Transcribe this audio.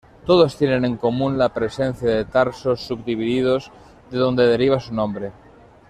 Todos tienen en común la presencia de tarsos subdivididos, de donde deriva su nombre.